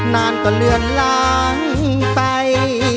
นานก็เลือนล้างไป